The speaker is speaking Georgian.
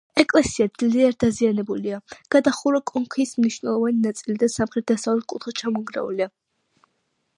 ეკლესია ძლიერ დაზიანებულია: გადახურვა, კონქის მნიშვნელოვანი ნაწილი და სამხრეთ-დასავლეთ კუთხე ჩამონგრეულია.